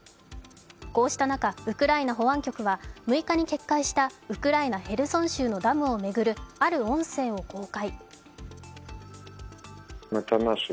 こうした中、ウクライナ保安局は６日に決壊したウクライナ・ヘルソン州のダムを巡るある音声を公開。